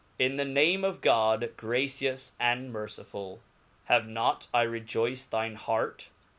IN the name of God, gracious and mercifull. Have not I rejoyced thine heart